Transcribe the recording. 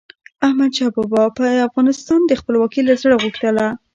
احمدشاه بابا به د افغانستان خپلواکي له زړه غوښتله.